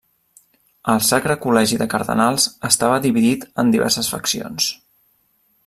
El Sacre Col·legi de Cardenals estava dividit en diverses faccions.